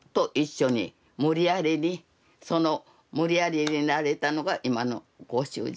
その無理やりになれたのが今のご主人。